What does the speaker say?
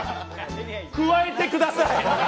くわえてください。